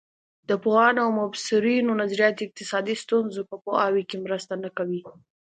د پوهانو او مبصرینو نظریات اقتصادي ستونزو په پوهاوي کې مرسته نه کوي.